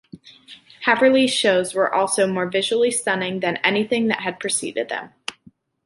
Haverly's shows were also more visually stunning than anything that had preceded them.